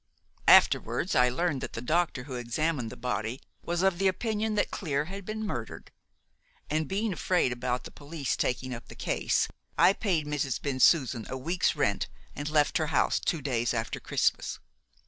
"Afterwards I learned that the doctor who examined the body was of the opinion that Clear had been murdered; and, being afraid about the police taking up the case, I paid Mrs. Bensusan a week's rent and left her house two days after Christmas.